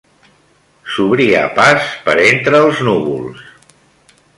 S'obria pas per entre els núvols